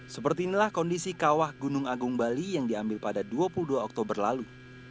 seperti inilah kondisi kawah gunung agung bali yang diambil pada dua puluh dua oktober lalu